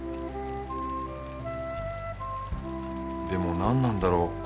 でも何なんだろう？